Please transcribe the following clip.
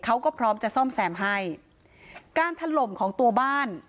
เขาก็พร้อมจะซ่อมแซมให้การถล่มของตัวบ้าน